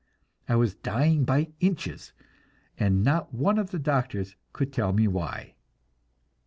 I was dying by inches, and not one of the doctors could tell me why.